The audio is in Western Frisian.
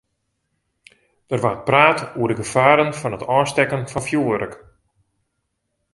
Der waard praat oer de gefaren fan it ôfstekken fan fjurwurk.